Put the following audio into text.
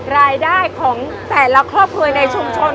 รายได้ของแต่ละครอบครัวในชุมชน